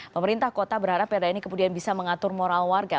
pemerintah kota berharap perda ini kemudian bisa mengatur moral warga